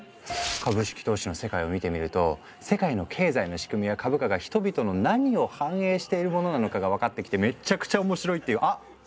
株式投資の世界を見てみると世界の経済の仕組みや株価が人々の何を反映しているものなのかが分かってきてめっちゃくちゃ面白いっていうあっ！